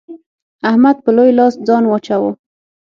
احمد په لوی لاس ځان واچاوو.